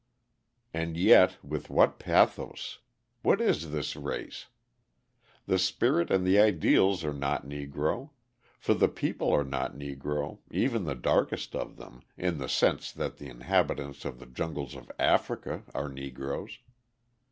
And yet, with what pathos! What is this race? The spirit and the ideals are not Negro: for the people are not Negro, even the darkest of them, in the sense that the inhabitants of the jungles of Africa are Negroes.